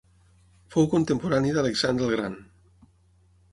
Fou contemporani d'Alexandre el Gran.